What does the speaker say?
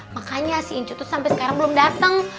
makanya si uncut tuh sampe sekarang belum dateng